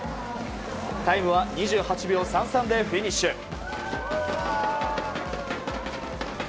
タイムは２８秒３３でフィニッシュ。